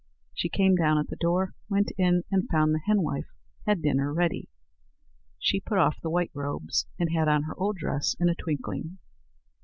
She came down at the door, went in, and found the henwife had dinner ready. She put off the white robes, and had on her old dress in a twinkling.